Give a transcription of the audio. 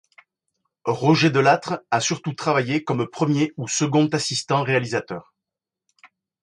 Roger Delattre a surtout travaillé comme premier ou second assistant réalisateur.